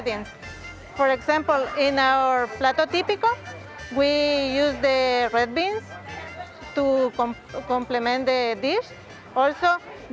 contohnya di plato tipico kami menggunakan kacang merah untuk menambahkan hidangan